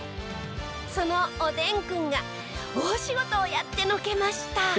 そのおでんくんが大仕事をやってのけました。